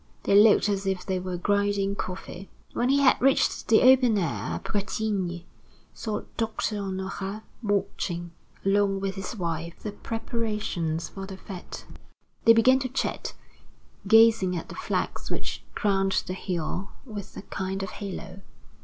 They looked as if they were grinding coffee. When he had reached the open air, Bretigny saw Doctor Honorat watching, along with his wife, the preparations for the fête. They began to chat, gazing at the flags which crowned the hill with a kind of halo.